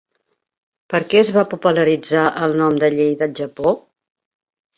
Per què es va popularitzar el nom de llei del Japó?